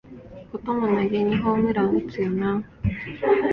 こともなげにホームラン打つよなあ